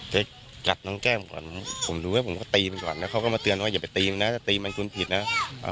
จะกัดน้องแก้มก่อนผมดูไว้ผมก็ตีมันก่อนแล้วเขาก็มาเตือนว่าอย่าไปตีมันนะจะตีมันคุณผิดนะ